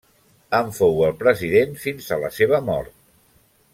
En fou el president fins a la seva mort.